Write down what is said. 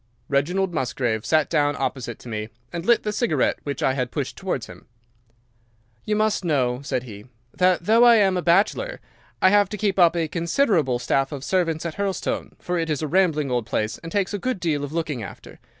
"Reginald Musgrave sat down opposite to me, and lit the cigarette which I had pushed towards him. "'You must know,' said he, 'that though I am a bachelor, I have to keep up a considerable staff of servants at Hurlstone, for it is a rambling old place, and takes a good deal of looking after.